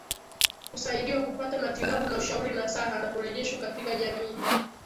kusaidiwa kupata matibabu na ushauri nasaha na kurejeshwa katika jamii